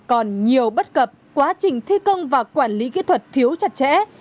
còn nhiều bất cập quá trình thi công và quản lý kỹ thuật thiếu chặt chẽ